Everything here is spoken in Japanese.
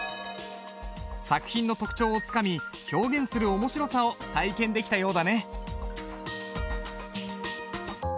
作品の特徴をつかみ表現する面白さを体験できたようだね。